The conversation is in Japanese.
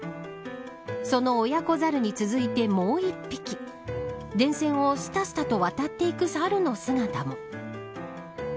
その親子ざるに続いてもう一匹電線をすたすたと渡っていくサルの姿も。